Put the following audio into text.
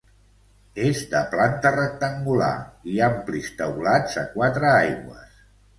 És de planta rectangular i amplis teulats a quatre aigües.